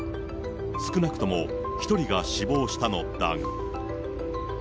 少なくとも１人が死亡したのだが。